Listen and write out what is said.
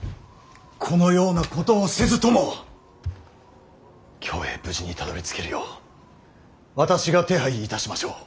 このようなことをせずとも京へ無事にたどりつけるよう私が手配いたしましょう。